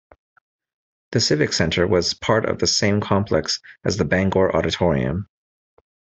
The Civic Center was part of the same complex as the Bangor Auditorium.